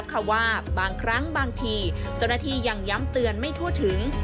เจ้าหน้าที่ยังย้ำเตือนไม่ทั่วถึง